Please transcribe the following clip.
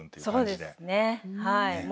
そうですねはい。